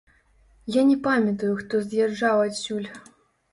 Я не памятаю, хто з'язджаў адсюль.